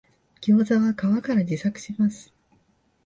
ギョウザは皮から自作します